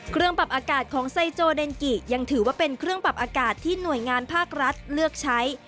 เครื่องปรับอากาศของไซโจเดนกิยังถือว่าเป็นเครื่องปรับอากาศที่หน่วยงานภาครัฐเลือกใช้